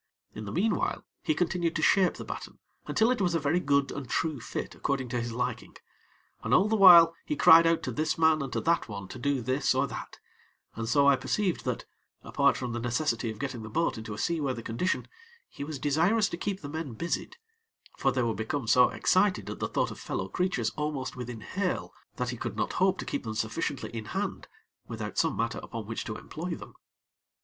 In the meanwhile, he continued to shape the batten until it was a very good and true fit according to his liking. And all the while he cried out to this man and to that one to do this or that; and so I perceived that, apart from the necessity of getting the boat into a seaworthy condition, he was desirous to keep the men busied; for they were become so excited at the thought of fellow creatures almost within hail, that he could not hope to keep them sufficiently in hand without some matter upon which to employ them.